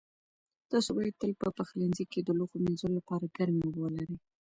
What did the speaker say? تاسو باید تل په پخلنځي کې د لوښو مینځلو لپاره ګرمې اوبه ولرئ.